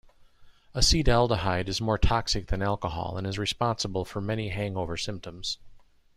Acetaldehyde is more toxic than alcohol and is responsible for many hangover symptoms.